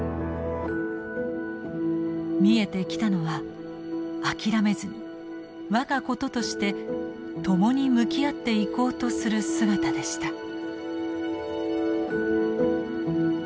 見えてきたのは諦めずに我がこととして共に向き合っていこうとする姿でした。